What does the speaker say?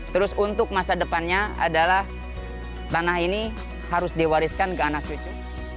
terus untuk masa depannya adalah tanah ini harus diwariskan ke anak cucu